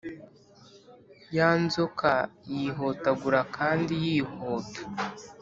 ya nzoka yihotagura kandi yihuta,